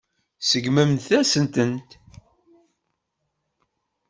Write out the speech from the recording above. Tseggmemt-asen-ten.